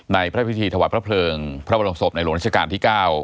พระพิธีถวายพระเพลิงพระบรมศพในหลวงราชการที่๙